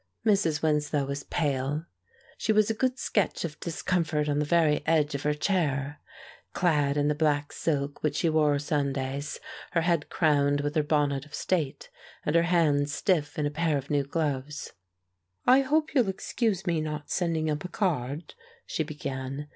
Mrs. Winslow was pale. She was a good sketch of discomfort on the very edge of her chair, clad in the black silk which she wore Sundays, her head crowned with her bonnet of state, and her hands stiff in a pair of new gloves. "I hope you'll excuse me not sending up a card," she began.